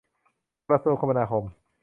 กระทรวงคมนาคม